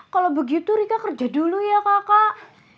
kalau begitu rika kerja dulu ya kakak